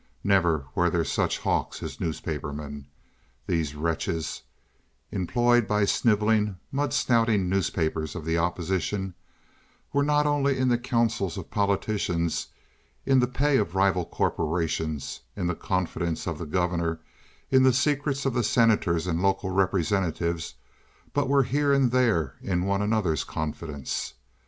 Never were there such hawks as newspapermen. These wretches (employed by sniveling, mud snouting newspapers of the opposition) were not only in the councils of politicians, in the pay of rival corporations, in the confidence of the governor, in the secrets of the senators and local representatives, but were here and there in one another's confidence.